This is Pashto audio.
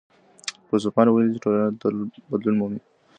فيلسوفانو ويلي دي چي ټولنه تل بدلون مومي.